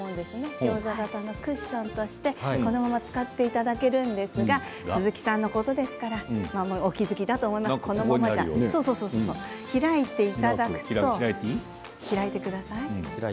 ギョーザ形のクッションとしてこのまま使っていただけるんですが鈴木さんのことですからお気付きだと思いますがこのまま開いていい？